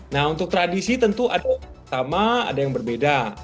nah untuk tradisi tentu ada yang sama ada yang berbeda